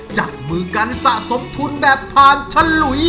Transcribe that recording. จับมือกันสะสมทุนแบบผ่านฉลุย